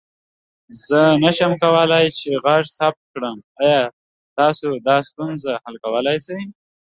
زه نسم کولى چې غږ ثبت کړم، آيا تاسو دا ستونزه حل کولى سې؟